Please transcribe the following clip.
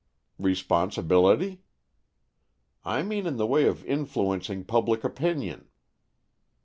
"Responsibility?" "I mean in the way of influencing public opinion."